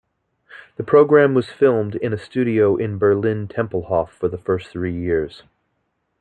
The programme was filmed in a studio in Berlin-Tempelhof for the first three years.